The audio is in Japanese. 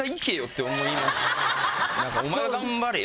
お前頑張れよ。